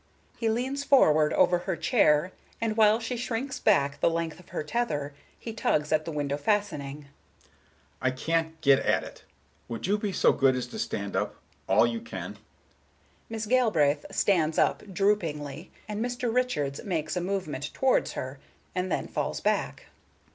He leans forward over her chair, and while she shrinks back the length of her tether, he tugs at the window fastening. "I can't get at it. Would you be so good as to stand up,—all you can?" Miss Galbraith stands up, droopingly, and Mr. Richards makes a movement towards her, and then falls back.